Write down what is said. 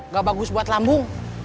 gak bagus buat lambung